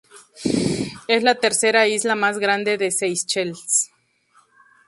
Es la tercera isla más grande de Seychelles.